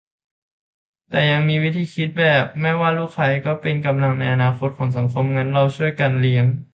แต่ยังมีวิธีคิดแบบ ไม่ว่าลูกใคร ก็เป็นกำลังในอนาคตของสังคม งั้นเราช่วยกันเลี้ยง